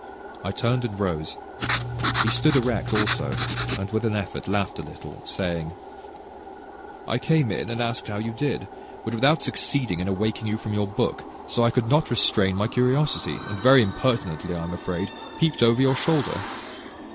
I turned and rose. He stood erect also, and with an effort laughed a little, saying: "I came in and asked you how you did, but without succeeding in awaking you from your book; so I could not restrain my curiosity, and very impertinently, I'm afraid, peeped over your shoulder.